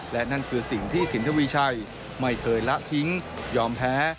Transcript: และนั่นคือสิ่งที่สินทวีชัยไม่เคยละทิ้งยอมแพ้